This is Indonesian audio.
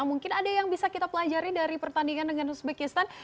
mungkin ada yang bisa kita pelajari dari pertandingan dengan uzbekistan